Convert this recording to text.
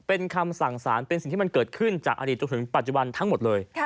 เป็นคำสั่งสารเป็นสิ่งที่มันเกิดขึ้นจากอดีตจนถึงปัจจุบันทั้งหมดเลย